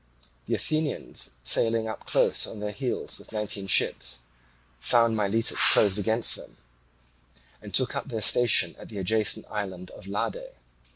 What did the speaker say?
The Athenians sailing up close on their heels with nineteen ships found Miletus closed against them, and took up their station at the adjacent island of Lade.